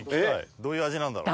どういう味なんだろう？